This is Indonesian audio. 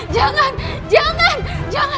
jangan jangan jangan